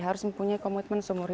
harus mempunyai komitmen sumber